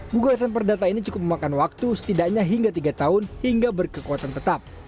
gugatan perdata ini cukup memakan waktu setidaknya hingga tiga tahun hingga berkekuatan tetap